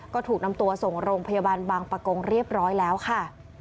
ก็ถูกนำตัวส่งโรงพยาบาลบางประกงเรียบร้อยแล้วค่ะ